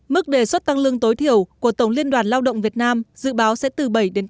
mức đề xuất tăng lương tối thiểu của tổng liên đoàn lao động việt nam dự báo sẽ từ bảy tám